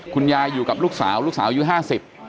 คุณยายอยู่กับลูกสาวลูกสาวยืว๕๐